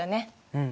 うん。